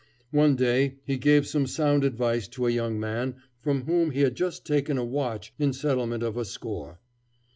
One day he gave some sound advice to a young man from whom he had just taken a watch in settlement of a score.